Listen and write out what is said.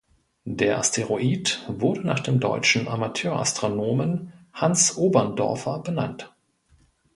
Der Asteroid wurde nach dem deutschen Amateurastronomen Hans Oberndorfer benannt.